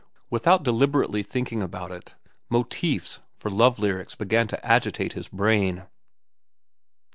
Without deliberately thinking about it, motifs for love lyrics began to agitate his brain.